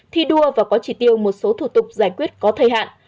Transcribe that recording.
thi đua và có chỉ tiêu một số thủ tục giải quyết có thời hạn